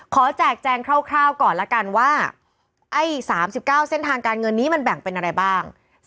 แจกแจงคร่าวก่อนละกันว่าไอ้๓๙เส้นทางการเงินนี้มันแบ่งเป็นอะไรบ้าง